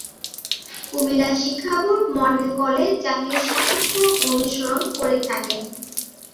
কুমিল্লা শিক্ষাবোর্ড model college জাতীয় শিক্ষাক্রম অনুসরণ করে থাকে।